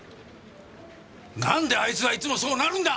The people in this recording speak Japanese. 何であいつはいつもそうなるんだ！？